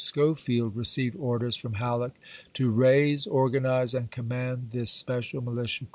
Schofield received orders from Halleck schofiew, to raise, organize, and command this special militia w.